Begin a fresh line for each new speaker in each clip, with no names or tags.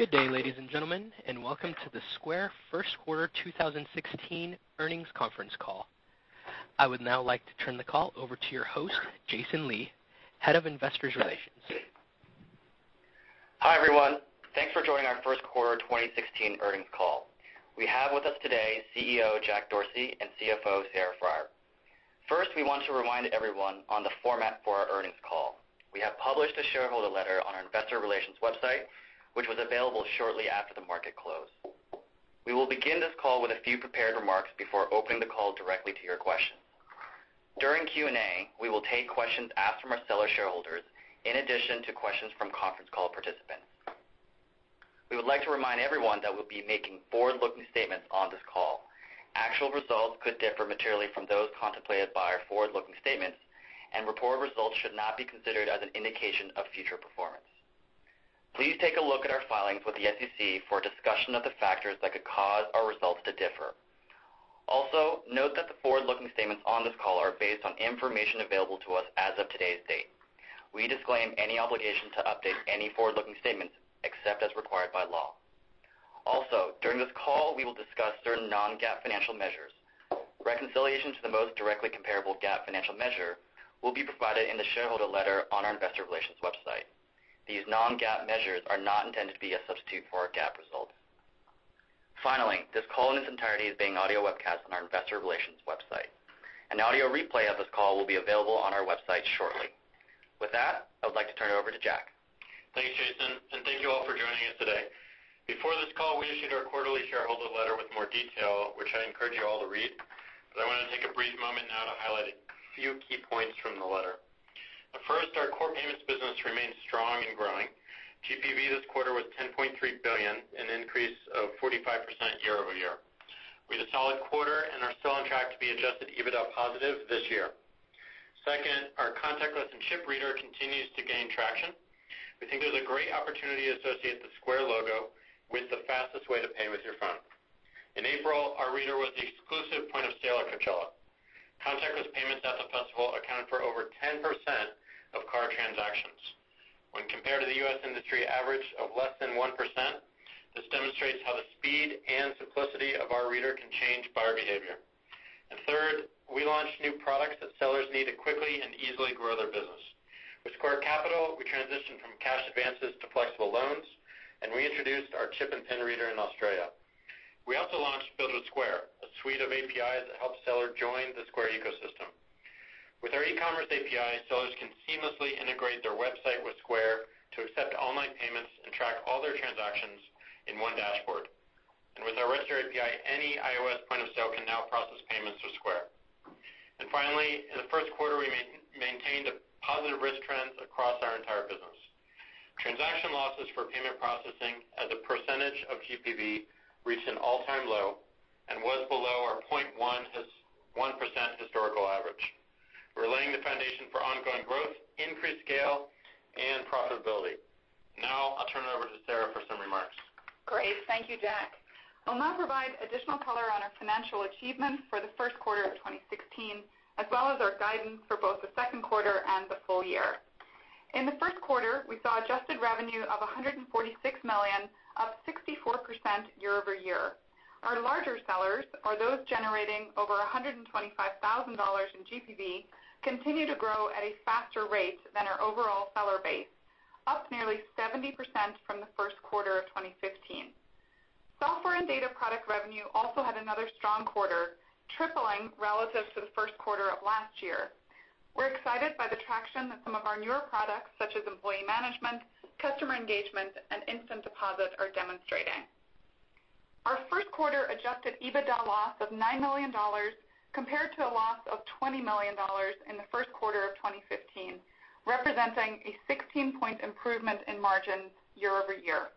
Good day, ladies and gentlemen, and welcome to the Square first quarter 2016 earnings conference call. I would now like to turn the call over to your host, Jason Lee, Head of Investor Relations.
Hi, everyone. Thanks for joining our first quarter 2016 earnings call. We have with us today CEO Jack Dorsey and CFO Sarah Friar. First, we want to remind everyone on the format for our earnings call. We have published a shareholder letter on our investor relations website, which was available shortly after the market close. We will begin this call with a few prepared remarks before opening the call directly to your questions. During Q&A, we will take questions asked from our seller shareholders, in addition to questions from conference call participants. We would like to remind everyone that we'll be making forward-looking statements on this call. Actual results could differ materially from those contemplated by our forward-looking statements, and reported results should not be considered as an indication of future performance. Please take a look at our filings with the SEC for a discussion of the factors that could cause our results to differ. Also, note that the forward-looking statements on this call are based on information available to us as of today's date. We disclaim any obligation to update any forward-looking statements, except as required by law. Also, during this call, we will discuss certain non-GAAP financial measures. Reconciliation to the most directly comparable GAAP financial measure will be provided in the shareholder letter on our investor relations website. These non-GAAP measures are not intended to be a substitute for our GAAP results. Finally, this call in its entirety is being audio webcast on our investor relations website. An audio replay of this call will be available on our website shortly. With that, I would like to turn it over to Jack.
Thanks, Jason. Thank you all for joining us today. Before this call, we issued our quarterly shareholder letter with more detail, which I encourage you all to read, but I want to take a brief moment now to highlight a few key points from the letter. First, our core payments business remains strong and growing. GPV this quarter was $10.3 billion, an increase of 45% year-over-year. We had a solid quarter and are still on track to be adjusted EBITDA positive this year. Second, our contactless and chip reader continues to gain traction. We think there's a great opportunity to associate the Square logo with the fastest way to pay with your phone. In April, our reader was the exclusive point of sale at Coachella. Contactless payments at the festival accounted for over 10% of card transactions. When compared to the U.S. industry average of less than 1%, this demonstrates how the speed and simplicity of our reader can change buyer behavior. Third, we launched new products that sellers need to quickly and easily grow their business. With Square Capital, we transitioned from cash advances to flexible loans, and we introduced our chip and PIN reader in Australia. We also launched Build with Square, a suite of APIs that help sellers join the Square ecosystem. With our e-commerce API, sellers can seamlessly integrate their website with Square to accept online payments and track all their transactions in one dashboard. With our register API, any iOS point of sale can now process payments through Square. Finally, in the first quarter, we maintained a positive risk trend across our entire business. Transaction losses for payment processing as a percentage of GPV reached an all-time low and was below our 1% historical average. We're laying the foundation for ongoing growth, increased scale, and profitability. Now I'll turn it over to Sarah for some remarks.
Great. Thank you, Jack. I'll now provide additional color on our financial achievements for the first quarter of 2016, as well as our guidance for both the second quarter and the full year. In the first quarter, we saw adjusted revenue of $146 million, up 64% year-over-year. Our larger sellers, or those generating over $125,000 in GPV, continue to grow at a faster rate than our overall seller base, up nearly 70% from the first quarter of 2015. Software and data product revenue also had another strong quarter, tripling relative to the first quarter of last year. We're excited by the traction that some of our newer products, such as employee management, customer engagement, and Instant Deposit are demonstrating. Our first quarter adjusted EBITDA loss of $9 million, compared to a loss of $20 million in the first quarter of 2015, representing a 16-point improvement in margins year-over-year.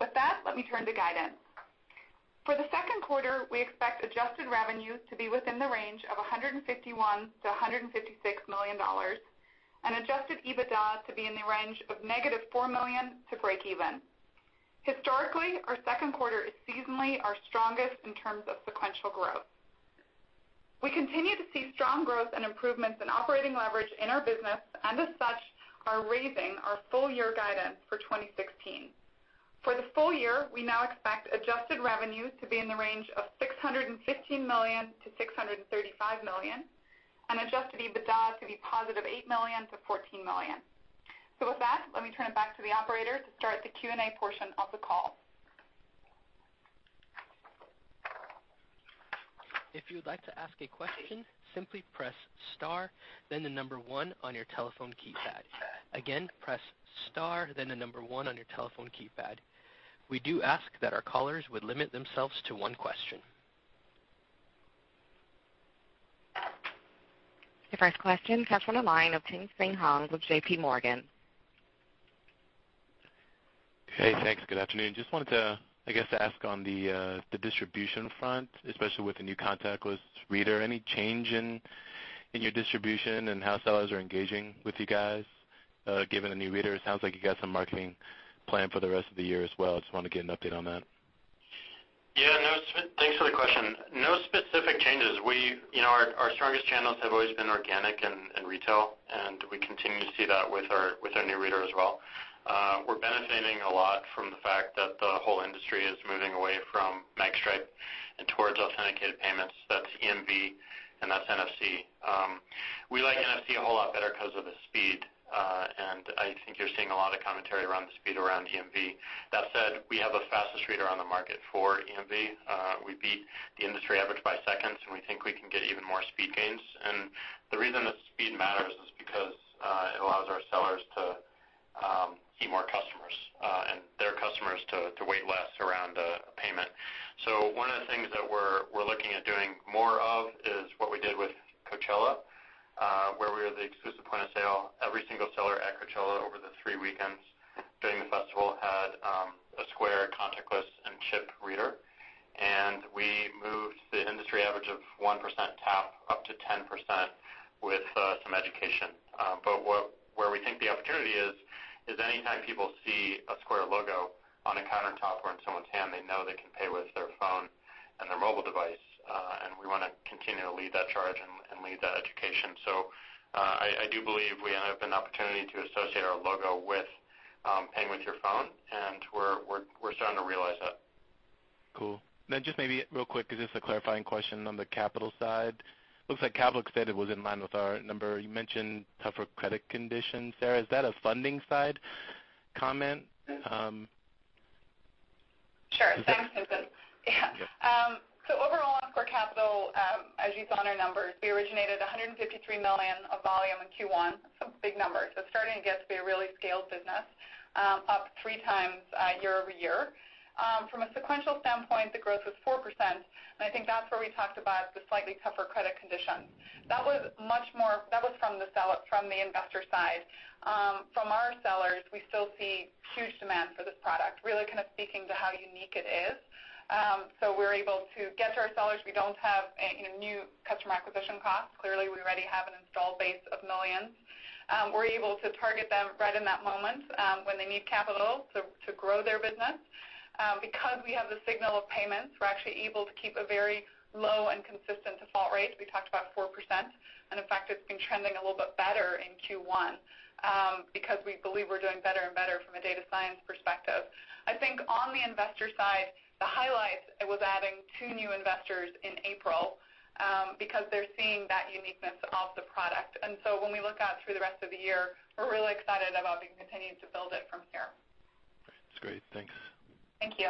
With that, let me turn to guidance. For the second quarter, we expect adjusted revenues to be within the range of $151 million-$156 million, and adjusted EBITDA to be in the range of negative $4 million to break even. Historically, our second quarter is seasonally our strongest in terms of sequential growth. We continue to see strong growth and improvements in operating leverage in our business, as such, are raising our full year guidance for 2016. For the full year, we now expect adjusted revenues to be in the range of $615 million-$635 million, and adjusted EBITDA to be positive $8 million-$14 million. With that, let me turn it back to the operator to start the Q&A portion of the call.
If you would like to ask a question, simply press star, then the number one on your telephone keypad. Again, press star, then the number one on your telephone keypad. We do ask that our callers would limit themselves to one question. The first question comes from the line of Tien-Tsin Huang with J.P. Morgan.
Hey, thanks. Good afternoon. I guess ask on the distribution front, especially with the new contactless reader. Any change in your distribution and how sellers are engaging with you guys given the new reader? It sounds like you got some marketing planned for the rest of the year as well. Just want to get an update on that.
Yeah. Thanks for the question. No specific changes. Our strongest channels have always been organic and retail, and we continue to see that with our new reader as well. We're benefiting a lot from the fact that the whole industry is moving away from magstripe and towards authenticated payments. That's EMV and that's NFC. We like NFC a whole lot better because of the speed, and I think you're seeing a lot of commentary around the speed around EMV. That said, we have the fastest reader on the market for EMV. We beat the industry average by seconds, and we think we can get even more speed gains. The reason that speed matters is because it allows our sellers to see more customers, and their customers to wait less around a payment. One of the things that we're looking at doing more of is what we did with Coachella, where we were the exclusive point-of-sale. Every single seller at Coachella over the three weekends during the festival had a Square contactless and chip reader, and we moved the industry average of 1% tap up to 10% with some education. Where we think the opportunity is anytime people see a Square logo on a countertop or in someone's hand, they know they can pay with their phone and their mobile device. We want to continue to lead that charge and lead that education. I do believe we have an opportunity to associate our logo with paying with your phone, and we're starting to realize that.
Cool. Just maybe real quick, because just a clarifying question on the capital side. Looks like Caviar said it was in line with our number. You mentioned tougher credit conditions, Sarah. Is that a funding side comment?
Sure. Thanks, Tien-Tsin. Yeah.
Yeah.
Overall on Square Capital, as you saw in our numbers, we originated $153 million of volume in Q1. That's a big number. It's starting to get to be a really scaled business, up three times year-over-year. From a sequential standpoint, the growth was 4%, and I think that's where we talked about the slightly tougher credit conditions. That was from the investor side. From our sellers, we still see huge demand for this product, really kind of speaking to how unique it is. We're able to get to our sellers. We don't have new customer acquisition costs. Clearly, we already have an install base of millions. We're able to target them right in that moment when they need capital to grow their business. Because we have the signal of payments, we're actually able to keep a very low and consistent default rate. We talked about 4%, in fact, it's been trending a little bit better in Q1 because we believe we're doing better and better from a data science perspective. I think on the investor side, the highlight was adding two new investors in April because they're seeing that uniqueness of the product. When we look out through the rest of the year, we're really excited about being continuing to build it from here.
Great. That's great. Thanks.
Thank you.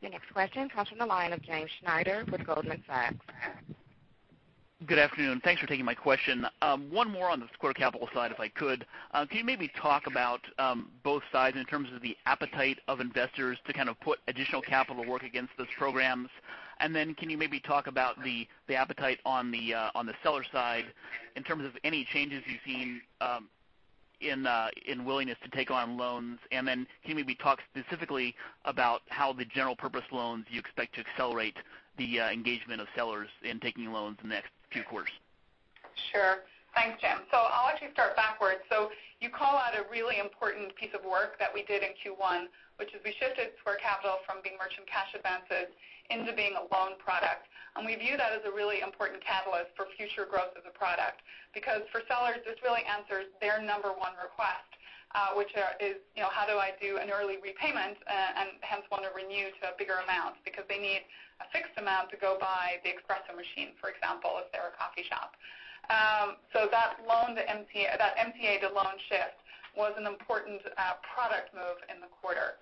Your next question comes from the line of James Schneider with Goldman Sachs.
Good afternoon. Thanks for taking my question. One more on the Square Capital side, if I could. Can you maybe talk about both sides in terms of the appetite of investors to kind of put additional capital to work against those programs? Can you maybe talk about the appetite on the seller side in terms of any changes you've seen in willingness to take on loans? Can you maybe talk specifically about how the general purpose loans you expect to accelerate the engagement of sellers in taking loans in the next few quarters?
Sure. Thanks, Jim. I'll actually start backwards. You call out a really important piece of work that we did in Q1, which is we shifted Square Capital from being merchant cash advances into being a loan product. We view that as a really important catalyst for future growth of the product because for sellers, this really answers their number one request, which is how do I do an early repayment and hence want to renew to a bigger amount because they need a fixed amount to go buy the espresso machine, for example, if they're a coffee shop. That MCA to loan shift was an important product move in the quarter.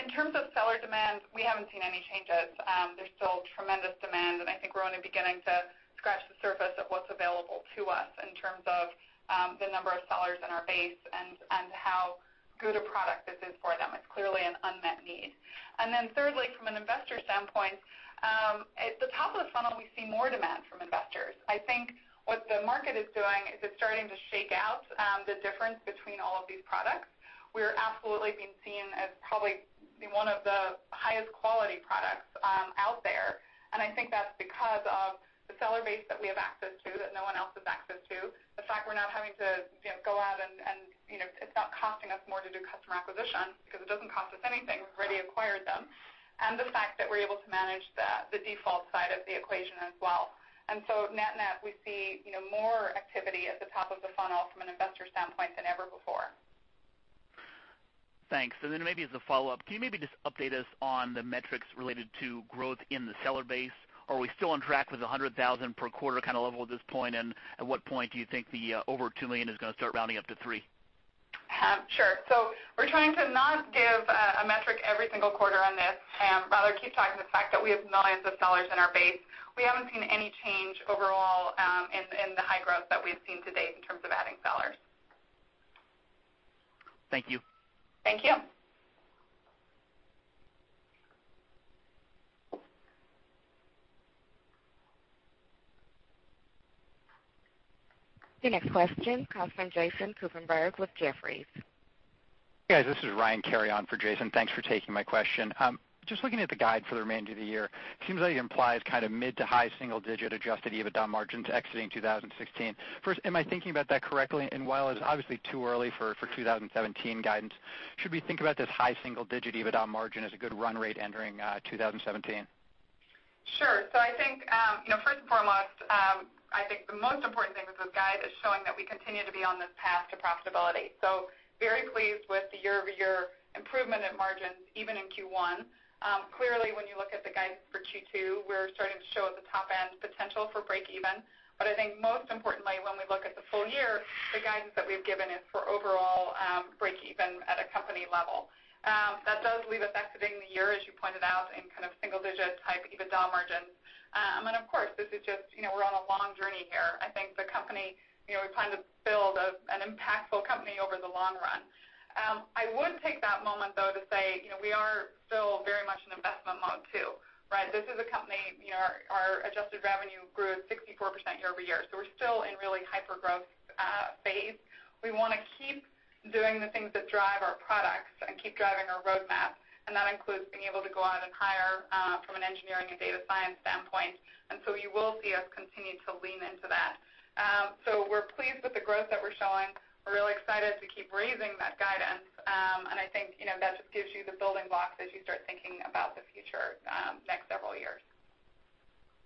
In terms of seller demand, we haven't seen any changes. There's still tremendous demand, and I think we're only beginning to scratch the surface of what's available to us in terms of the number of sellers in our base and how good a product this is for them. It's clearly an unmet need. Thirdly, from an investor standpoint, at the top of the funnel, we see more demand from investors. I think what the market is doing is it's starting to shake out the difference between all of these products. We're absolutely being seen as probably one of the highest quality products out there, and I think that's because of the seller base that we have access to that no one else has access to. The fact we're not having to go out and it's not costing us more to do customer acquisition because it doesn't cost us anything. We've already acquired them. The fact that we're able to manage the default side of the equation as well. Net, we see more activity at the top of the funnel from an investor standpoint than ever before.
Thanks. Maybe as a follow-up, can you maybe just update us on the metrics related to growth in the seller base? Are we still on track with the 100,000 per quarter kind of level at this point? At what point do you think the over 2 million is going to start rounding up to three?
Sure. We're trying to not give a metric every single quarter on this, rather keep talking the fact that we have millions of sellers in our base. We haven't seen any change overall in the high growth that we've seen to date in terms of adding sellers.
Thank you.
Thank you.
Your next question comes from Jason Kupferberg with Jefferies.
Hey, guys, this is Ryan Cary on for Jason. Thanks for taking my question. Just looking at the guide for the remainder of the year, seems like it implies kind of mid to high single-digit adjusted EBITDA margins exiting 2016. First, am I thinking about that correctly? While it's obviously too early for 2017 guidance, should we think about this high single-digit EBITDA margin as a good run rate entering 2017?
Sure. I think, first and foremost, I think the most important thing with this guide is showing that we continue to be on this path to profitability. Very pleased with the year-over-year improvement in margins even in Q1. Clearly, when you look at the guidance for Q2, we're starting to show at the top end potential for breakeven. I think most importantly, when we look at the full year, the guidance that we've given is for overall, breakeven at a company level. That does leave us exiting the year, as you pointed out, in kind of single-digit type EBITDA margins. Of course, this is just we're on a long journey here. I think the company, we plan to build an impactful company over the long run. I would take that moment, though, to say, we are still very much in investment mode too, right? This is a company, our adjusted revenue grew 64% year-over-year. We're still in really hyper-growth phase. We wanna keep doing the things that drive our products and keep driving our roadmap, and that includes being able to go out and hire, from an engineering and data science standpoint. You will see us continue to lean into that. We're pleased with the growth that we're showing. We're really excited to keep raising that guidance. I think, that just gives you the building blocks as you start thinking about the future, next several years.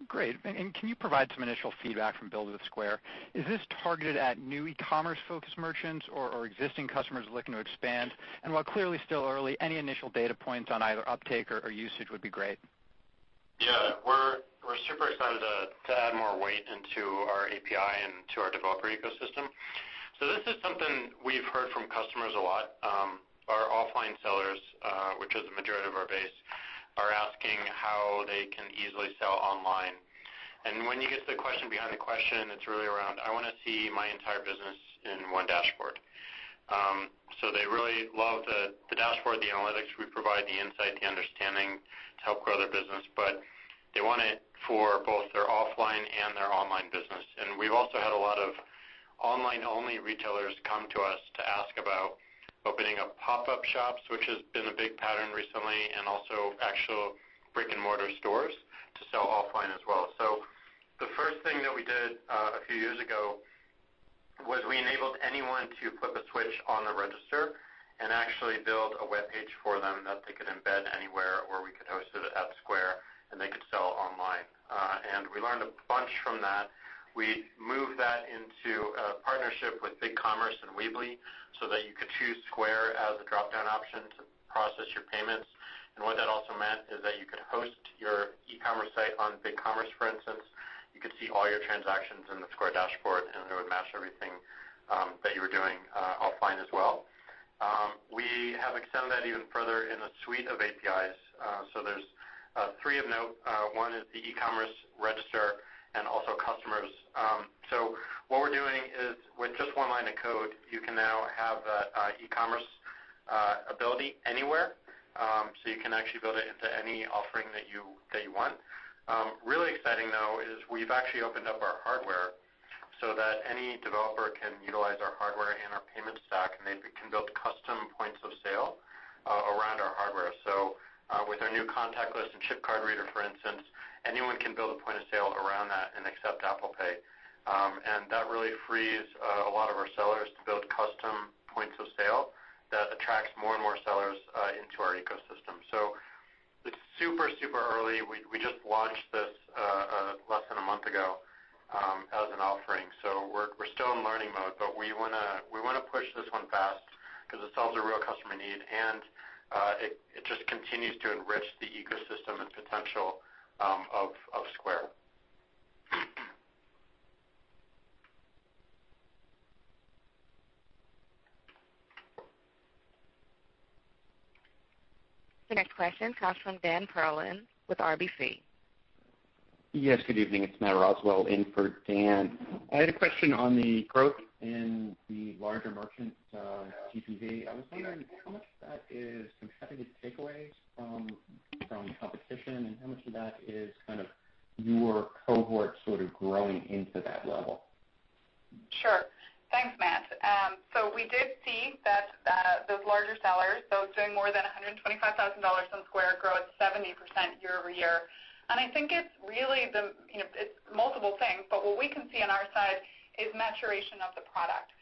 Great. Can you provide some initial feedback from Build with Square? Is this targeted at new e-commerce-focused merchants or existing customers looking to expand? While clearly still early, any initial data points on either uptake or usage would be great.
Yeah. We're super excited to add more weight into our API and to our developer ecosystem. This is something we've heard from customers a lot. Our offline sellers, which is the majority of our base, are asking how they can easily sell online. When you get to the question behind the question, it's really around, "I want to see my entire business in one dashboard." They really love the dashboard, the analytics we provide, the insight, the understanding to help grow their business, but they want it for both their offline and their online business. We've also had a lot of online-only retailers come to us to ask about opening up pop-up shops, which has been a big pattern recently, and also actual brick and mortar stores to sell offline as well. The first thing that we did a few years ago was we enabled anyone to flip a switch on the register and actually build a webpage for them that they could embed anywhere, or we could host it at Square, and they could sell online. We learned a bunch from that. We moved that into a partnership with BigCommerce and Weebly so that you could choose Square as a dropdown option to process your payments. What that also meant is that you could host your e-commerce site on BigCommerce, for instance. You could see all your transactions in the Square dashboard, and it would match everything, that you were doing offline as well. We have extended that even further in a suite of APIs. There's three of note. One is the e-commerce register and also customers. What we're doing is with just one line of code, you can now have the e-commerce ability anywhere. You can actually build it into any offering that you want. Really exciting, though, is we've actually opened up our hardware so that any developer can utilize our hardware and our payment stack, and they can build custom points of sale around our hardware. With our new contactless and chip card reader, for instance, anyone can build a point of sale around that and accept Apple Pay. That really frees a lot of our sellers to build custom points of sale that attracts more and more sellers into our ecosystem. It's super early. We just launched this less than a month ago as an offering. We're still in learning mode, but we wanna push this one fast because it solves a real customer need, and it just continues to enrich the ecosystem and potential of Square.
The next question comes from Daniel Perlin with RBC.
Yes, good evening. It's Matt Roswell in for Dan. I had a question on the growth in the larger merchant TPV. I was wondering how much of that is competitive takeaways from competition and how much of that is kind of your cohort sort of growing into that level?
Sure. Thanks, Matt. We did see that those larger sellers, doing more than $125,000 on Square grow at 70% year-over-year. I think it's really multiple things. What we can see on our side is maturation of the product.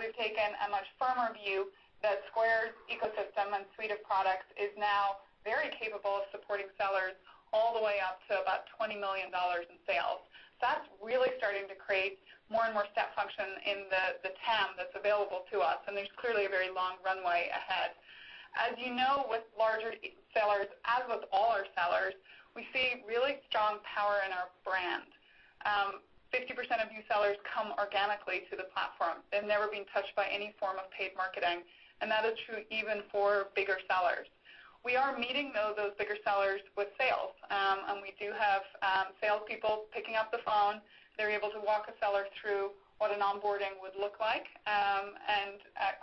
We've taken a much firmer view that Square's ecosystem and suite of products is now very capable of supporting sellers all the way up to about $20 million in sales. That's really starting to create more and more step function in the TAM that's available to us, and there's clearly a very long runway ahead. As you know, with larger sellers, as with all our sellers, we see really strong power in our brand. 50% of new sellers come organically to the platform. They've never been touched by any form of paid marketing, and that is true even for bigger sellers. We are meeting, though, those bigger sellers with sales. We do have salespeople picking up the phone. They're able to walk a seller through what an onboarding would look like.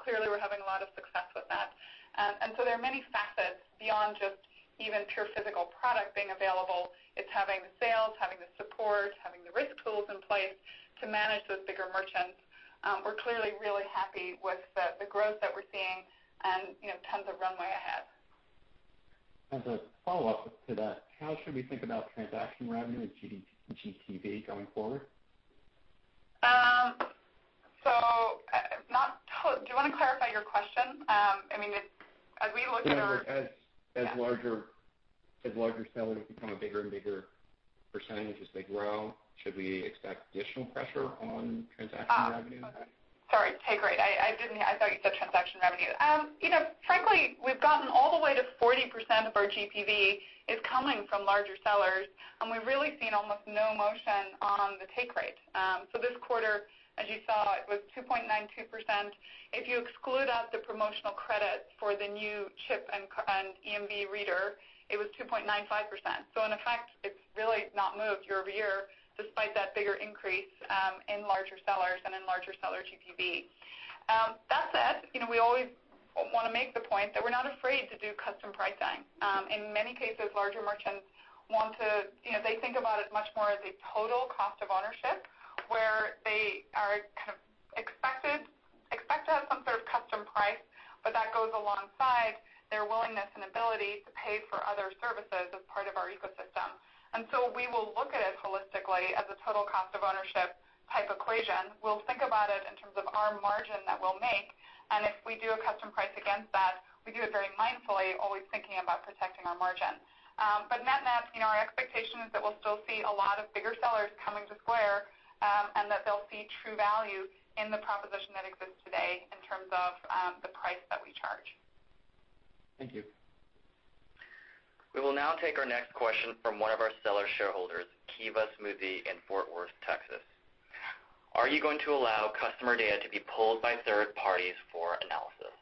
Clearly, we're having a lot of success with that. There are many facets beyond just even pure physical product being available. It's having the sales, having the support, having the risk tools in place to manage those bigger merchants. We're clearly really happy with the growth that we're seeing and tons of runway ahead.
As a follow-up to that, how should we think about transaction revenue and GTV going forward?
Do you want to clarify your question? I mean.
As larger sellers become a bigger and bigger percentage as they grow, should we expect additional pressure on transaction revenue?
Sorry, take rate. I thought you said transaction revenue. Frankly, we've gotten all the way to 40% of our GTV is coming from larger sellers, and we've really seen almost no motion on the take rate. This quarter, as you saw, it was 2.92%. If you exclude out the promotional credits for the new chip and EMV reader, it was 2.95%. In effect, it's really not moved year-over-year, despite that bigger increase in larger sellers and in larger seller GTV. That said, we always want to make the point that we're not afraid to do custom pricing. In many cases, larger merchants, they think about it much more as a total cost of ownership, where they kind of expect to have some sort of custom price, but that goes alongside their willingness and ability to pay for other services as part of our ecosystem. We will look at it holistically as a total cost of ownership type equation. We'll think about it in terms of our margin that we'll make, and if we do a custom price against that, we do it very mindfully, always thinking about protecting our margin. Net, our expectation is that we'll still see a lot of bigger sellers coming to Square, and that they'll see true value in the proposition that exists today in terms of the price that we charge.
Thank you.
We will now take our next question from one of our seller shareholders, Keva Juice in Fort Worth, Texas. Are you going to allow customer data to be pulled by third parties for analysis?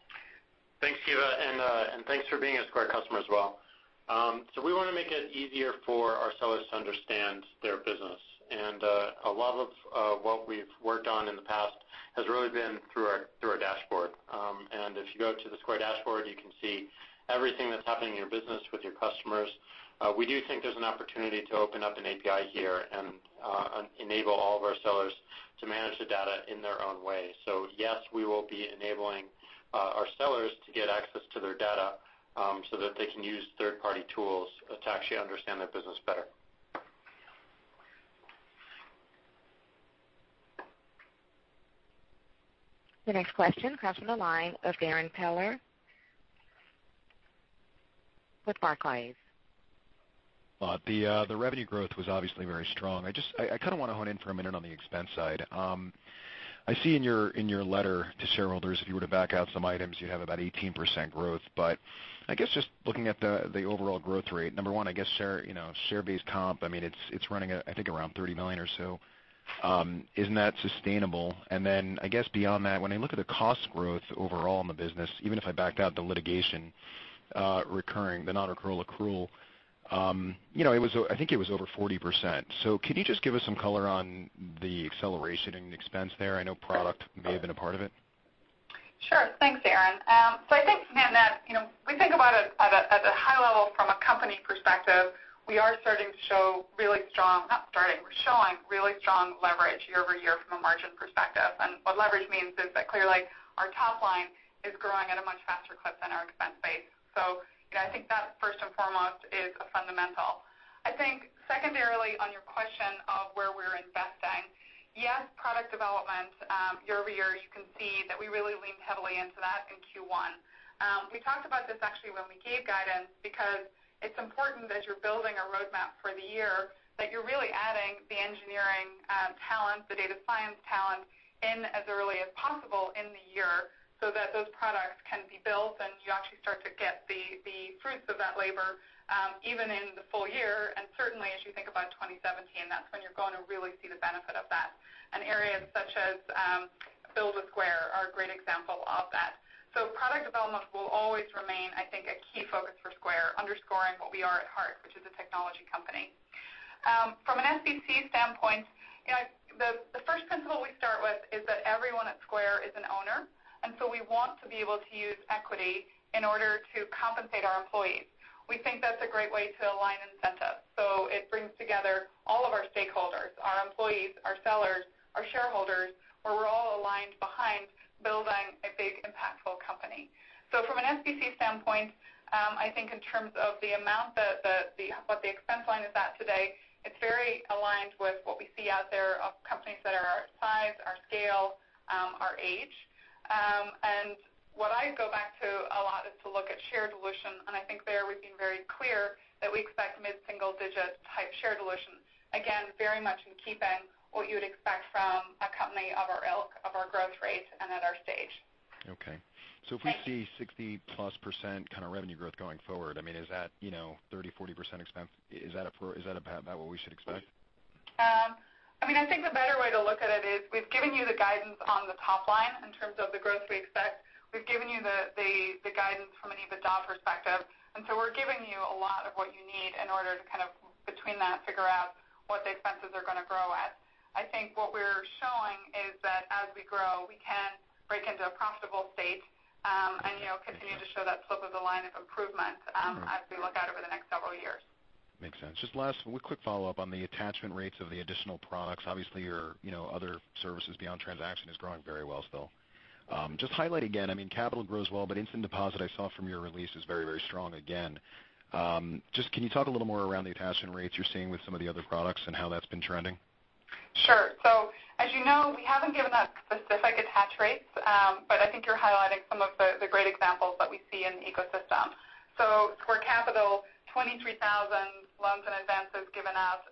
Thanks, Keva, and thanks for being a Square customer as well. We want to make it easier for our sellers to understand their business. A lot of what we've worked on in the past has really been through our dashboard. If you go to the Square dashboard, you can see everything that's happening in your business with your customers. We do think there's an opportunity to open up an API here and enable all of our sellers to manage the data in their own way. Yes, we will be enabling our sellers to get access to their data, so that they can use third-party tools to actually understand their business better.
The next question comes from the line of Ramen Peller with Barclays.
The revenue growth was obviously very strong. I kind of want to hone in for a minute on the expense side. I see in your letter to shareholders, if you were to back out some items, you'd have about 18% growth. I guess just looking at the overall growth rate, number one, I guess, share-based comp, it's running I think around $30 million or so. Isn't that sustainable? Then, I guess beyond that, when I look at the cost growth overall in the business, even if I backed out the litigation recurring, the non-recurring accrual, I think it was over 40%. Can you just give us some color on the acceleration in expense there? I know product may have been a part of it.
Sure. Thanks, Ramen. I think, net, we think about it at a high level from a company perspective. We are starting to show really strong, not starting, we're showing really strong leverage year-over-year from a margin perspective. What leverage means is that clearly our top line is growing at a much faster clip than our expense base. I think that first and foremost is a fundamental. I think secondarily on your question of where we're investing, yes, product development year-over-year, you can see that we really leaned heavily into that in Q1. We talked about this actually when we gave guidance because it's important as you're building a roadmap for the year, that you're really adding the engineering talent, the data science talent in as early as possible in the year, so that those products can be built, and you actually start to get the fruits of that labor even in the full year. Certainly, as you think about 2017, that's when you're going to really see the benefit of that. Areas such as Build with Square are a great example of that. Product development will always remain, I think, a key focus for Square, underscoring what we are at heart, which is a technology company. From an SBC standpoint, the first principle we start with is that everyone at Square is an owner, and so we want to be able to use equity in order to compensate our employees. We think that's a great way to align incentives. It brings together all of our stakeholders, our employees, our sellers, our shareholders, where we're all aligned behind building a big, impactful company. From an SBC standpoint, I think in terms of the amount, what the expense line is at today, it's very aligned with what we see out there of companies that are our size, our scale, our age. What I go back to a lot is to look at share dilution, and I think there we've been very clear that we expect mid-single digit type share dilution. Again, very much in keeping what you would expect from a company of our ilk, of our growth rate, and at our stage.
Okay.
Thanks.
If we see 60-plus% kind of revenue growth going forward, I mean, is that 30%, 40% expense? Is that about what we should expect?
I think the better way to look at it is we've given you the guidance on the top line in terms of the growth we expect. We've given you the guidance from an EBITDA perspective, we're giving you a lot of what you need in order to kind of between that figure out what the expenses are going to grow at. As we grow, we can break into a profitable state and continue to show that slope of the line of improvement as we look out over the next several years.
Makes sense. Just last, one quick follow-up on the attachment rates of the additional products. Obviously, your other services beyond transaction is growing very well still. Just highlight again, Capital grows well, but Instant Deposit I saw from your release is very strong again. Can you talk a little more around the attachment rates you're seeing with some of the other products and how that's been trending?
Sure. As you know, we haven't given out specific attach rates, but I think you're highlighting some of the great examples that we see in the ecosystem. For Capital, 23,000 loans and advances given out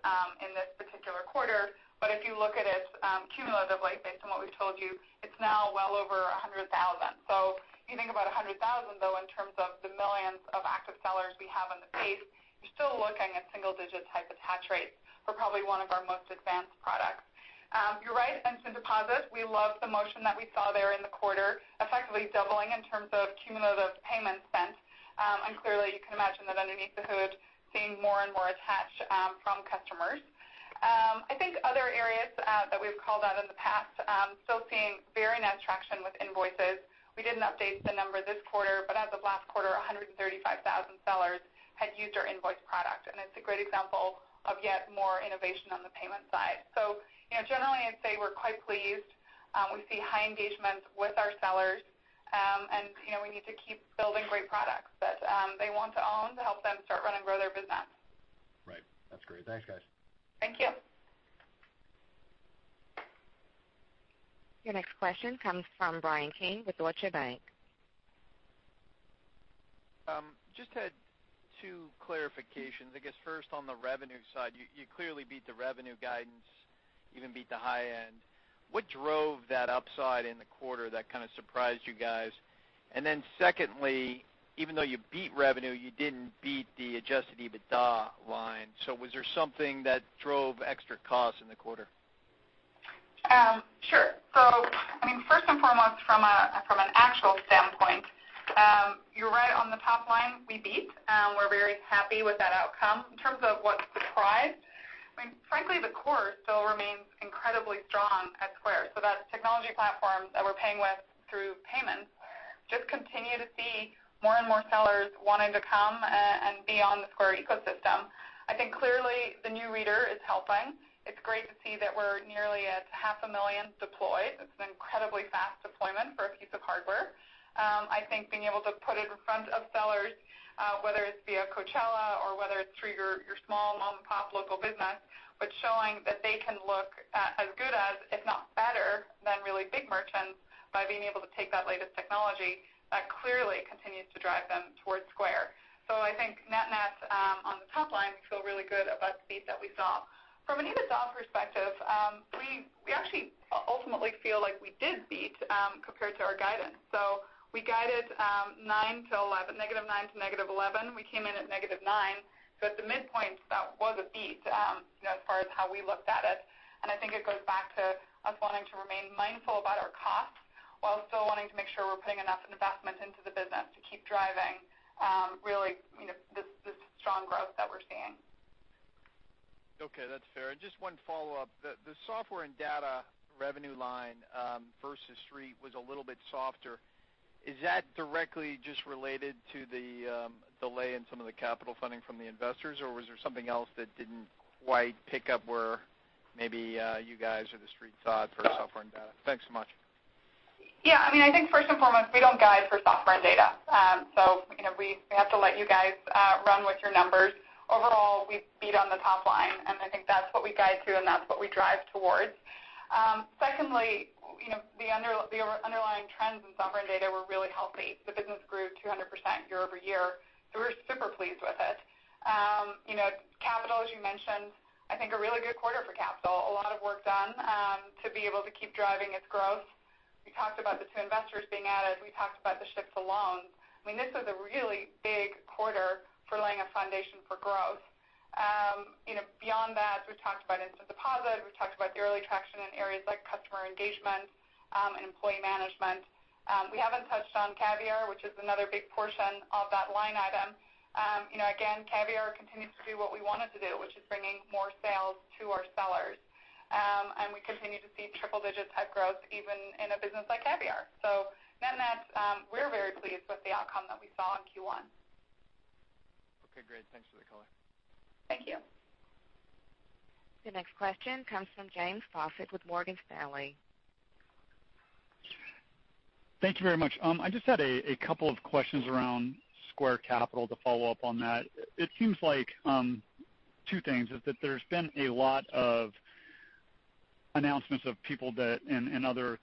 in this particular quarter. If you look at its cumulative life based on what we've told you, it's now well over 100,000. If you think about 100,000, though, in terms of the millions of active sellers we have on the base, you're still looking at single digit type attach rates for probably one of our most advanced products. You're right, Instant Deposit, we love the motion that we saw there in the quarter, effectively doubling in terms of cumulative payments spent. Clearly, you can imagine that underneath the hood, seeing more and more attach from customers. I think other areas that we've called out in the past, still seeing very net traction with invoices. We didn't update the number this quarter, but as of last quarter, 135,000 sellers had used our invoice product. It's a great example of yet more innovation on the payment side. Generally, I'd say we're quite pleased. We see high engagement with our sellers. We need to keep building great products that they want to own to help them start, run, and grow their business.
Right. That's great. Thanks, guys.
Thank you.
Your next question comes from Bryan Keane with Deutsche Bank.
Just had two clarifications. I guess first, on the revenue side, you clearly beat the revenue guidance, even beat the high end. What drove that upside in the quarter that kind of surprised you guys? Secondly, even though you beat revenue, you didn't beat the adjusted EBITDA line. Was there something that drove extra costs in the quarter?
Sure. First and foremost, from an actual standpoint, you're right on the top line we beat. We're very happy with that outcome. In terms of what surprised, frankly, the core still remains incredibly strong at Square. That technology platform that we're paying with through payments just continue to see more and more sellers wanting to come and be on the Square ecosystem. I think clearly the new reader is helping. It's great to see that we're nearly at half a million deployed. It's an incredibly fast deployment for a piece of hardware. I think being able to put it in front of sellers, whether it's via Coachella or whether it's through your small mom-and-pop local business, but showing that they can look as good as, if not better, than really big merchants by being able to take that latest technology, that clearly continues to drive them towards Square. I think net on the top line, we feel really good about the beat that we saw. From an EBITDA perspective, we actually ultimately feel like we did beat compared to our guidance. We guided negative nine to negative 11. We came in at negative nine. At the midpoint, that was a beat as far as how we looked at it. I think it goes back to us wanting to remain mindful about our costs while still wanting to make sure we're putting enough investment into the business to keep driving really this strong growth that we're seeing.
Okay, that's fair. Just one follow-up. The software and data revenue line versus Street was a little bit softer. Is that directly just related to the delay in some of the capital funding from the investors, or was there something else that didn't quite pick up where maybe you guys or the Street thought for software and data? Thanks so much.
I think first and foremost, we don't guide for software and data. We have to let you guys run with your numbers. Overall, we beat on the top line, and I think that's what we guide to, and that's what we drive towards. Secondly, the underlying trends in software and data were really healthy. The business grew 200% year-over-year, we're super pleased with it. Capital, as you mentioned, I think a really good quarter for Capital. A lot of work done to be able to keep driving its growth. We talked about the two investors being added. We talked about the shift to loans. This was a really big quarter for laying a foundation for growth. Beyond that, we've talked about Instant Deposit. We've talked about the early traction in areas like customer engagement and employee management. We haven't touched on Caviar, which is another big portion of that line item. Again, Caviar continues to do what we want it to do, which is bringing more sales to our sellers. We continue to see triple digit type growth even in a business like Caviar. Net, we're very pleased with the outcome that we saw in Q1.
Great. Thanks for the color.
Thank you.
Your next question comes from James Faucette with Morgan Stanley.
Thank you very much. I just had a couple of questions around Square Capital to follow up on that. It seems like two things, that there's been a lot of announcements of people and other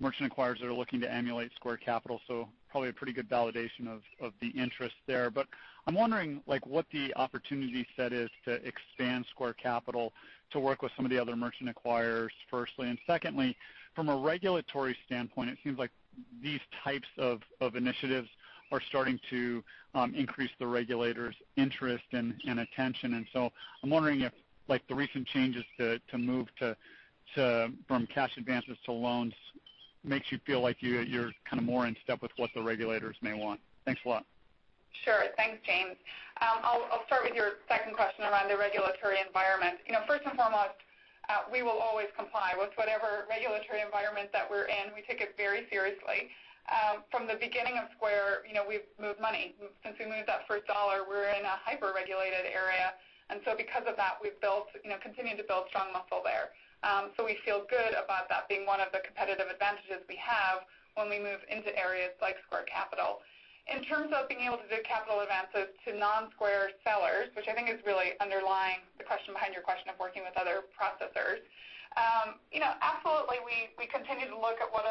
merchant acquirers that are looking to emulate Square Capital, so probably a pretty good validation of the interest there. I'm wondering what the opportunity set is to expand Square Capital to work with some of the other merchant acquirers, firstly. Secondly, from a regulatory standpoint, it seems like these types of initiatives are starting to increase the regulators' interest and attention. I'm wondering if the recent changes to move from cash advances to loans makes you feel like you're more in step with what the regulators may want. Thanks a lot.
Sure. Thanks, James. I'll start with your second question around the regulatory environment. First and foremost, we will always comply with whatever regulatory environment that we're in. We take it very seriously. From the beginning of Square, we've moved money. Since we moved that first dollar, we're in a hyper-regulated area. Because of that, we've continued to build strong muscle there. We feel good about that being one of the competitive advantages we have when we move into areas like Square Capital. In terms of being able to do capital advances to non-Square sellers, which I think is really underlying the question behind your question of working with other processors. Absolutely, we continue to look at what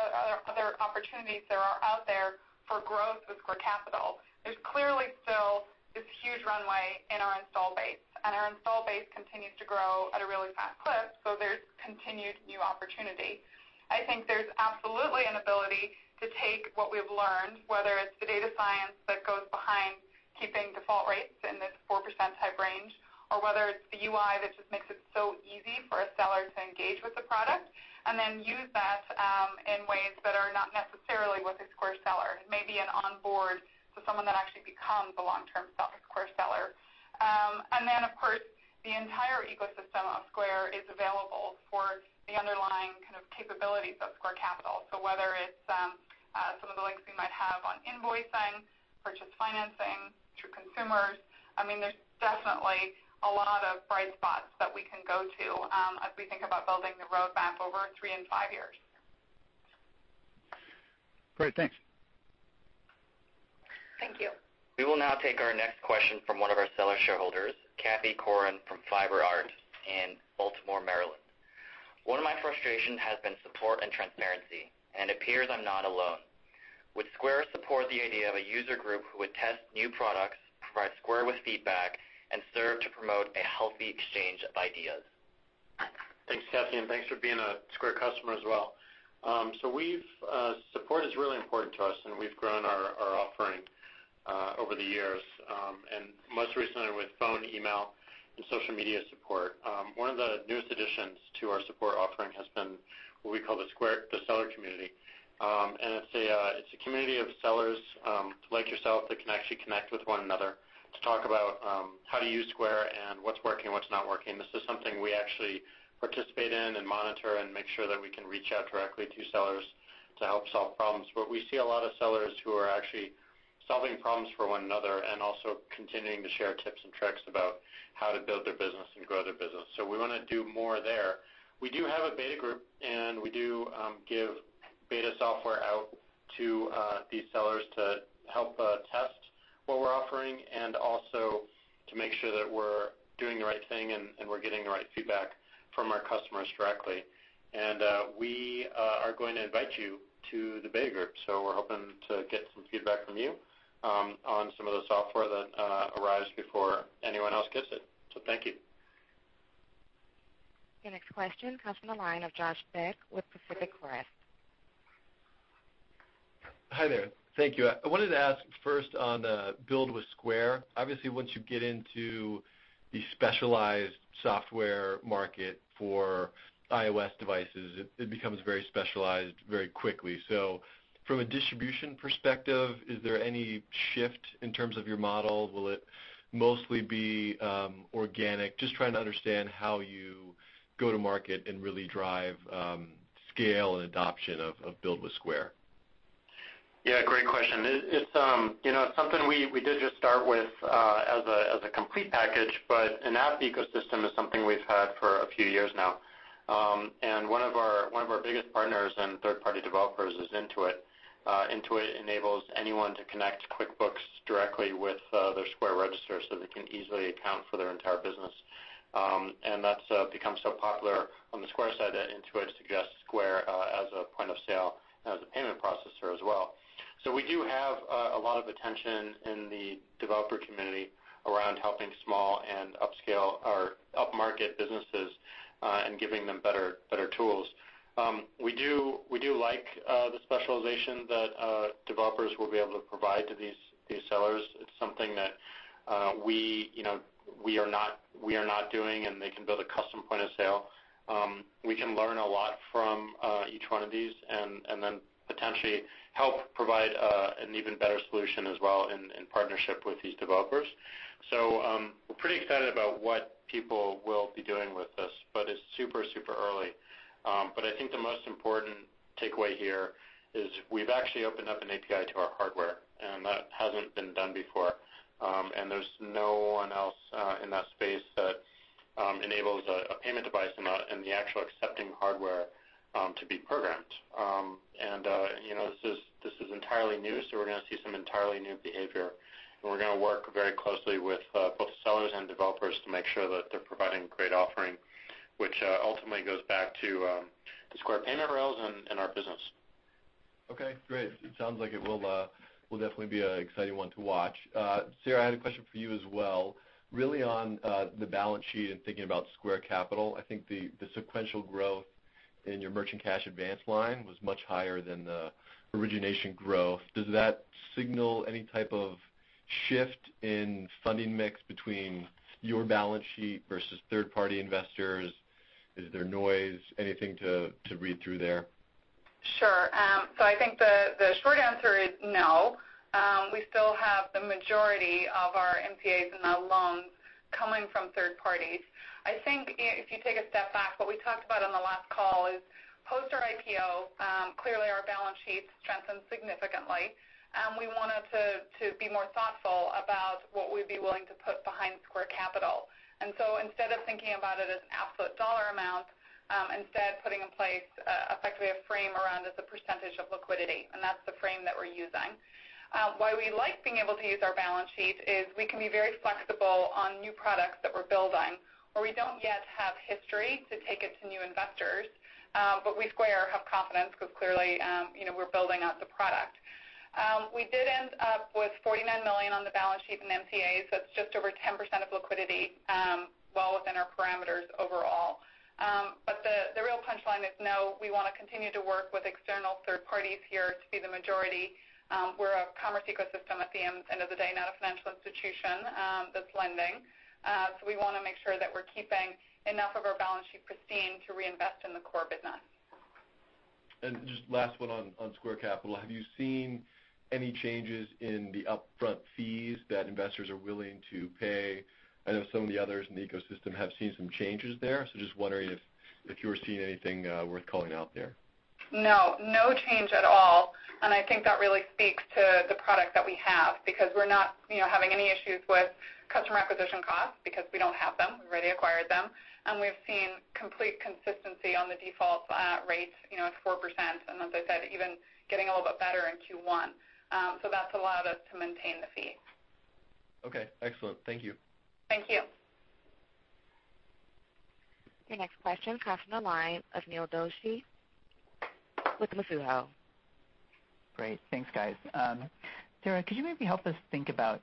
other opportunities there are out there for growth with Square Capital. There's clearly still this huge runway in our install base, and our install base continues to grow at a really fast clip, so there's continued new opportunity. I think there's absolutely an ability to take what we've learned, whether it's the data science that goes behind keeping default rates in this 4% type range, or whether it's the UI that just makes it so easy for a seller to engage with the product, and then use that in ways that are not necessarily with a Square seller. It may be an onboard to someone that actually becomes a long-term Square seller. Of course, the entire ecosystem of Square is available for the underlying kind of capabilities of Square Capital. Whether it's some of the links we might have on invoicing, purchase financing to consumers, there's definitely a lot of bright spots that we can go to as we think about building the roadmap over three and five years.
Great. Thanks.
Thank you.
We will now take our next question from one of our seller shareholders, Kathy Corrin from Fiber Art in Baltimore, Maryland. "One of my frustrations has been support and transparency, and it appears I'm not alone. Would Square support the idea of a user group who would test new products, provide Square with feedback, and serve to promote a healthy exchange of ideas?
Thanks, Kathy, and thanks for being a Square customer as well. Support is really important to us, and we've grown our offering over the years, and most recently with phone, email, and social media support. One of the newest additions to our support offering has been what we call the Seller Community. It's a community of sellers like yourself that can actually connect with one another to talk about how to use Square and what's working and what's not working. This is something we actually participate in and monitor and make sure that we can reach out directly to sellers to help solve problems. We see a lot of sellers who are actually solving problems for one another and also continuing to share tips and tricks about how to build their business and grow their business. We want to do more there. We do have a beta group, and we do give beta software out to these sellers to help test what we're offering and also to make sure that we're doing the right thing and we're getting the right feedback from our customers directly. We are going to invite you to the beta group. We're hoping to get some feedback from you on some of the software that arrives before anyone else gets it. Thank you.
The next question comes from the line of Josh Beck with Pacific Crest.
Hi there. Thank you. I wanted to ask first on Build with Square. Obviously, once you get into the specialized software market for iOS devices, it becomes very specialized very quickly. From a distribution perspective, is there any shift in terms of your model? Will it mostly be organic? Just trying to understand how you go to market and really drive scale and adoption of Build with Square.
Yeah, great question. It's something we did just start with as a complete package, but an app ecosystem is something we've had for a few years now. One of our biggest partners and third-party developers is Intuit. Intuit enables anyone to connect QuickBooks directly with their Square register so they can easily account for their entire business. That's become so popular on the Square side that Intuit suggests Square as a point-of-sale and as a payment processor as well. We do have a lot of attention in the developer community around helping small and upscale or upmarket businesses and giving them better tools. We do like the specialization that developers will be able to provide to these sellers. It's something that we are not doing, and they can build a custom point of sale. We can learn a lot from each one of these and then potentially help provide an even better solution as well in partnership with these developers. We're pretty excited about what people will be doing with this, but it's super early. I think the most important takeaway here is we've actually opened up an API to our hardware, and that hasn't been done before. There's no one else in that space that enables a payment device and the actual accepting hardware to be programmed. This is entirely new, so we're going to see some entirely new behavior, and we're going to work very closely with both sellers and developers to make sure that they're providing great offering, which ultimately goes back to the Square payment rails and our business.
Okay, great. It sounds like it will definitely be an exciting one to watch. Sarah, I had a question for you as well. Really on the balance sheet and thinking about Square Capital, I think the sequential growth in your merchant cash advance line was much higher than the origination growth. Does that signal any type of shift in funding mix between your balance sheet versus third-party investors? Is there noise? Anything to read through there?
Sure. I think the short answer is no. We still have the majority of our MCAs and our loans coming from third parties. I think if you take a step back, what we talked about on the last call is post our IPO, clearly our balance sheet strengthened significantly. We wanted to be more thoughtful about what we'd be willing to put behind Square Capital. Instead of thinking about it as an absolute dollar amount, instead putting in place effectively a frame around as a percentage of liquidity, and that's the frame that we're using. Why we like being able to use our balance sheet is we can be very flexible on new products that we're building where we don't yet have history to take it to new investors. We, Square, have confidence because clearly we're building out the product. We did end up with $49 million on the balance sheet in MCAs. That's just over 10% of liquidity, well within our parameters overall. The real punchline is, no, we want to continue to work with external third parties here to be the majority. We're a commerce ecosystem at the end of the day, not a financial institution that's lending. We want to make sure that we're keeping enough of our balance sheet pristine to reinvest in the core business.
Just last one on Square Capital. Have you seen any changes in the upfront fees that investors are willing to pay? I know some of the others in the ecosystem have seen some changes there. Just wondering if you were seeing anything worth calling out there.
No. No change at all. I think that really speaks to the product that we have, because we're not having any issues with customer acquisition costs because we don't have them. We've already acquired them. We've seen complete consistency on the default rates. It's 4%, and as I said, even getting a little bit better in Q1. That's allowed us to maintain the fees.
Okay, excellent. Thank you.
Thank you.
Your next question comes from the line of Neil Doshi with Mizuho.
Great. Thanks, guys. Sarah, could you maybe help us think about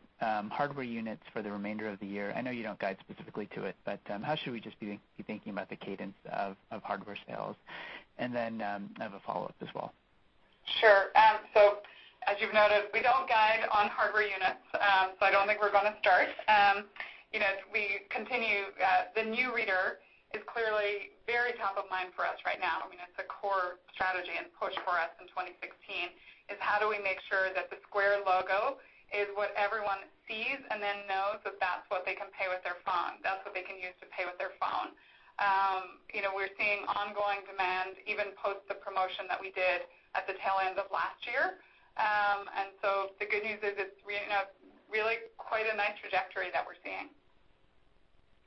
hardware units for the remainder of the year? I know you don't guide specifically to it, but how should we just be thinking about the cadence of hardware sales? Then I have a follow-up as well.
Sure. As you've noted, we don't guide on hardware units. I don't think we're going to start. We continue, the new reader is clearly very top of mind for us right now. It's a core strategy and push for us in 2016, is how do we make sure that the Square logo is what everyone sees and then knows that that's what they can pay with their phone. That's what they can use to pay with their phone. We're seeing ongoing demand, even post the promotion that we did at the tail end of last year. The good news is it's really quite a nice trajectory that we're seeing.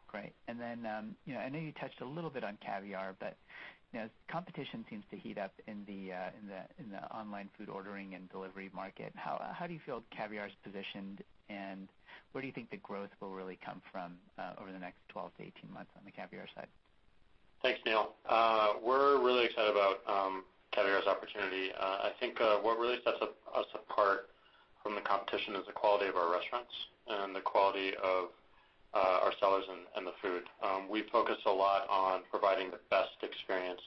Great. I know you touched a little bit on Caviar. As competition seems to heat up in the online food ordering and delivery market, how do you feel Caviar is positioned, and where do you think the growth will really come from over the next 12 to 18 months on the Caviar side?
Thanks, Neil. We're really excited about Caviar's opportunity. I think what really sets us apart from the competition is the quality of our restaurants and the quality of our sellers and the food. We focus a lot on providing the best experience.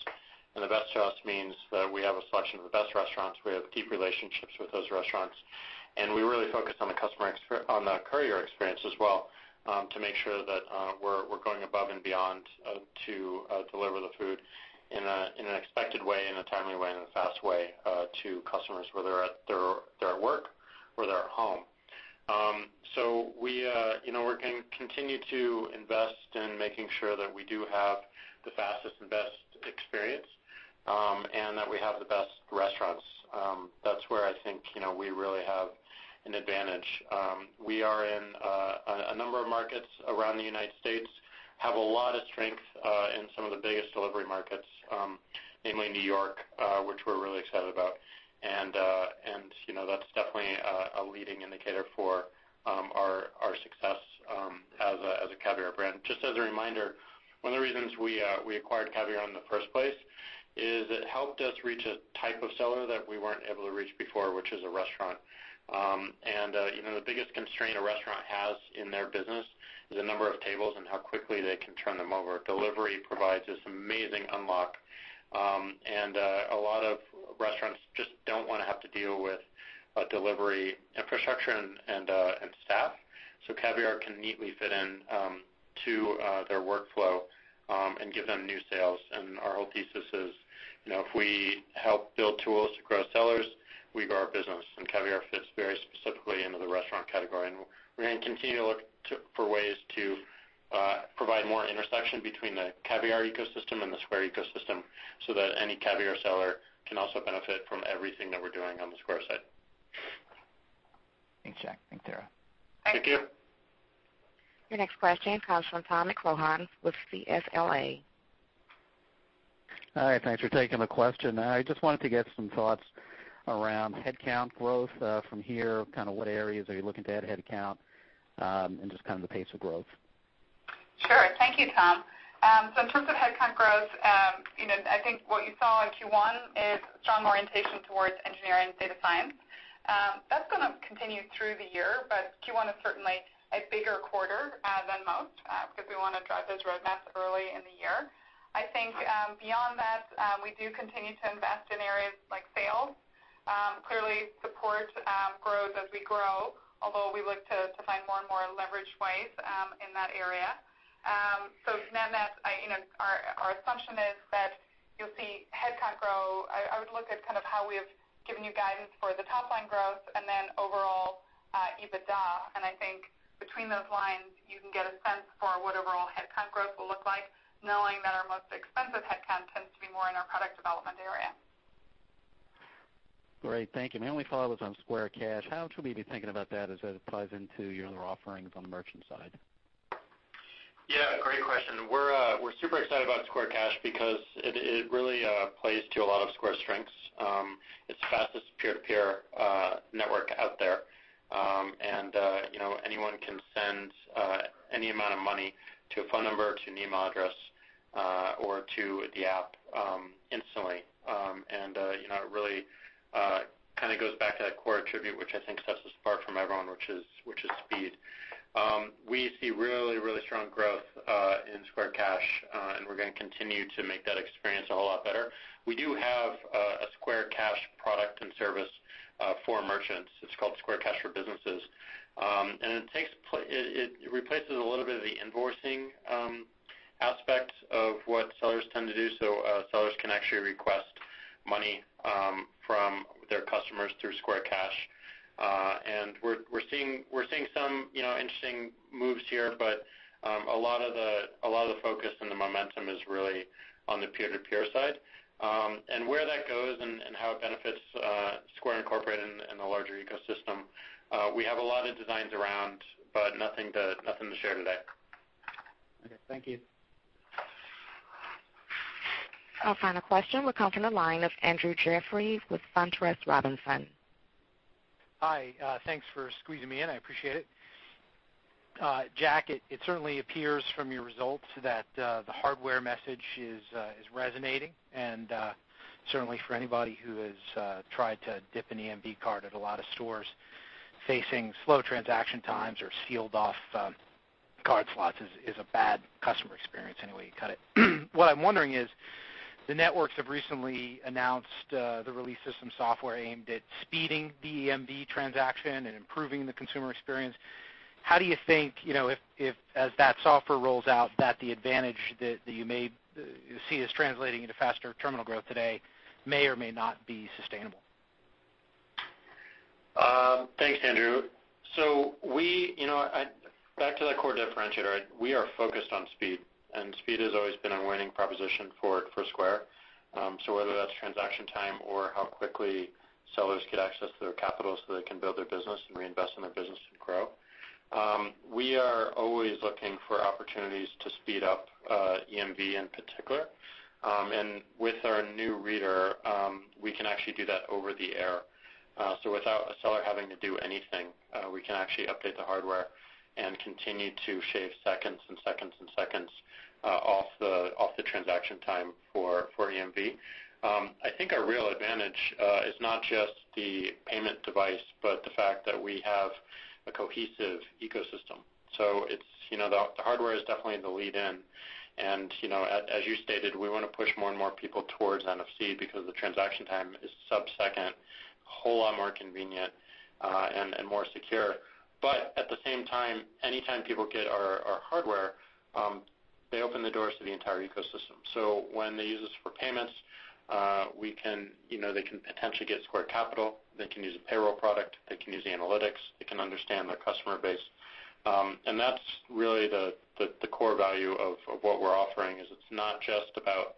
The best to us means that we have a selection of the best restaurants. We have deep relationships with those restaurants. We really focus on the courier experience as well, to make sure that we're going above and beyond to deliver the food in an expected way, in a timely way, and a fast way to customers, whether they're at work or they're at home. We're going to continue to invest in making sure that we do have the fastest and best experience, and that we have the best restaurants. That's where I think we really have an advantage. We are in a number of markets around the United States, have a lot of strength in some of the biggest delivery markets, namely New York, which we're really excited about. That's definitely a leading indicator for our success as a Caviar brand. Just as a reminder, one of the reasons we acquired Caviar in the first place is it helped us reach a type of seller that we weren't able to reach before, which is a restaurant. The biggest constraint a restaurant has in their business is the number of tables and how quickly they can turn them over. Delivery provides this amazing unlock. A lot of restaurants just don't want to have to deal with a delivery infrastructure and staff. Caviar can neatly fit in to their workflow and give them new sales. Our whole thesis is, if we help build tools to grow sellers, we grow our business. Caviar fits very specifically into the restaurant category. We're going to continue to look for ways to provide more intersection between the Caviar ecosystem and the Square ecosystem so that any Caviar seller can also benefit from everything that we're doing on the Square side.
Thanks, Jack. Thanks, Sarah.
Thank you.
Your next question comes from Tom McCrohan with CLSA.
Hi. Thanks for taking the question. I just wanted to get some thoughts around headcount growth from here. Kind of what areas are you looking to add headcount? Just kind of the pace of growth.
Thank you, Tom. In terms of headcount growth, I think what you saw in Q1 is a strong orientation towards engineering and data science. That's going to continue through the year, but Q1 is certainly a bigger quarter than most because we want to drive those roadmaps early in the year. I think beyond that, we do continue to invest in areas like sales support growth as we grow, although we look to find more and more leverage ways in that area. Net-net, our assumption is that you'll see headcount grow. I would look at how we have given you guidance for the top line growth and then overall EBITDA. I think between those lines, you can get a sense for what overall headcount growth will look like, knowing that our most expensive headcount tends to be more in our product development area.
Great. Thank you. My only follow is on Cash App. How should we be thinking about that as it ties into your other offerings on the merchant side?
Yeah, great question. We're super excited about Cash App because it really plays to a lot of Square's strengths. It's the fastest peer-to-peer network out there. Anyone can send any amount of money to a phone number, to an email address, or to the app instantly. It really goes back to that core attribute, which I think sets us apart from everyone, which is speed. We see really strong growth in Cash App, and we're going to continue to make that experience a whole lot better. We do have a Cash App product and service for merchants. It's called Cash App for Businesses. It replaces a little bit of the invoicing aspect of what sellers tend to do. Sellers can actually request money from their customers through Cash App. We're seeing some interesting moves here, but a lot of the focus and the momentum is really on the peer-to-peer side. Where that goes and how it benefits Square, Inc. and the larger ecosystem, we have a lot of designs around, but nothing to share today.
Okay. Thank you.
Our final question will come from the line of Andrew Jeffrey with SunTrust Robinson Humphrey.
Hi. Thanks for squeezing me in. I appreciate it. Jack, it certainly appears from your results that the hardware message is resonating, and certainly for anybody who has tried to dip an EMV card at a lot of stores facing slow transaction times or sealed-off card slots is a bad customer experience any way you cut it. What I'm wondering is, the networks have recently announced the release of some software aimed at speeding the EMV transaction and improving the consumer experience. How do you think, as that software rolls out, that the advantage that you may see as translating into faster terminal growth today may or may not be sustainable?
Thanks, Andrew. Back to that core differentiator, we are focused on speed, and speed has always been a winning proposition for Square. Whether that's transaction time or how quickly sellers get access to their capital so they can build their business and reinvest in their business and grow. We are always looking for opportunities to speed up EMV in particular. With our new reader, we can actually do that over the air. Without a seller having to do anything, we can actually update the hardware and continue to shave seconds off the transaction time for EMV. I think our real advantage is not just the payment device, but the fact that we have a cohesive ecosystem. The hardware is definitely the lead in, and as you stated, we want to push more and more people towards NFC because the transaction time is sub-second, a whole lot more convenient, and more secure. At the same time, anytime people get our hardware, they open the doors to the entire ecosystem. When they use us for payments, they can potentially get Square Capital, they can use the payroll product, they can use analytics, they can understand their customer base. That's really the core value of what we're offering, is it's not just about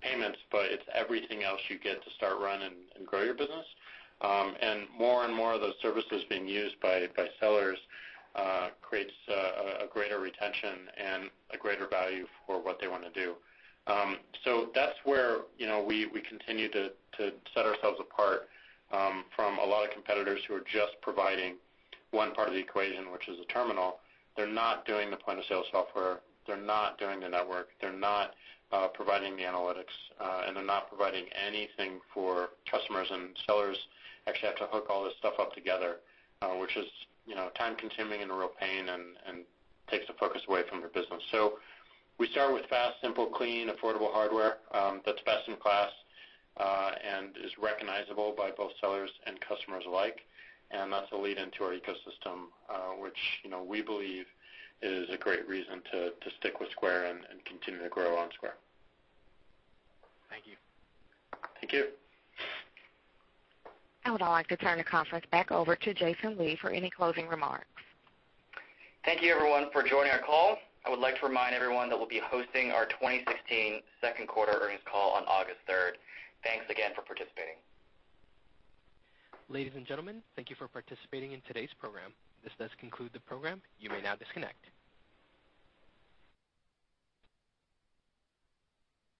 payments, but it's everything else you get to start, run, and grow your business. More and more of those services being used by sellers creates a greater retention and a greater value for what they want to do. That's where we continue to set ourselves apart from a lot of competitors who are just providing one part of the equation, which is a terminal. They're not doing the point-of-sale software, they're not doing the network, they're not providing the analytics, and they're not providing anything for customers, and sellers actually have to hook all this stuff up together, which is time-consuming and a real pain and takes the focus away from their business. We start with fast, simple, clean, affordable hardware that's best in class and is recognizable by both sellers and customers alike. That's a lead into our ecosystem, which we believe is a great reason to stick with Square and continue to grow on Square.
Thank you.
Thank you.
I would now like to turn the conference back over to Jason Lee for any closing remarks.
Thank you everyone for joining our call. I would like to remind everyone that we'll be hosting our 2016 second quarter earnings call on August 3rd. Thanks again for participating.
Ladies and gentlemen, thank you for participating in today's program. This does conclude the program. You may now disconnect.